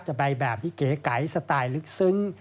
ไปแบบที่เก๋ไก๋สไตล์ลึกซึ้ง